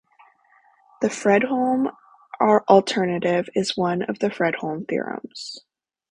The Fredholm alternative is one of the Fredholm theorems.